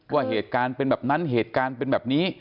ว่าเหตุการณ์เป็นแบบนั้นเหตุการณ์เป็นแบบนี้